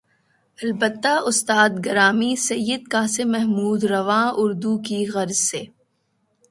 البتہ استاد گرامی سید قاسم محمود رواں اردو کی غرض سے